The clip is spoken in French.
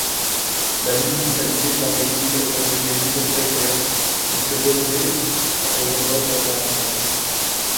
La municipalité tente d’équilibrer un budget toujours précaire, grevé par de nombreuses réparations.